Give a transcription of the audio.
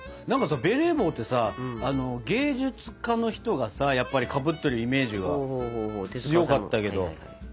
何かさベレー帽ってさ芸術家の人がさやっぱりかぶっているイメージが強かったけど。